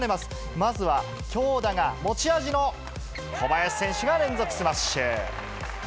まずは強打が持ち味の小林選手が連続スマッシュ。